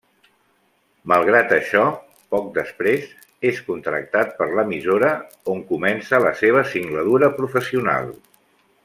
Malgrat això, poc després, és contractat per l'emissora, on comença la seva singladura professional.